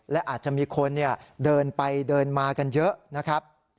และอาจจะมีคนเดินไปเดินมากันเยอะนะครับ